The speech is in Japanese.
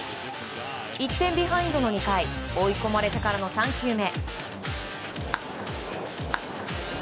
１点ビハインドの２回追い込まれてからの３球目。